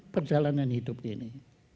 perjalanan hidup ini